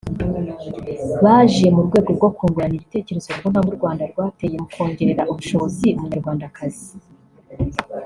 Baje mu rwego rwo kungurana ibitekerezo ku ntambwe u Rwanda rwateye mu kongerera ubushobozi Umunyarwandakazi